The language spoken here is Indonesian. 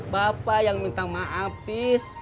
bapak yang minta maaf tis